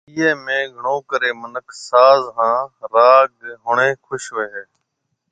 ايئي ۾ گھڻو ڪري منک ساز هان راگ ۿڻي خوش هوئي هي